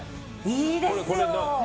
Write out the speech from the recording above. いいですよ！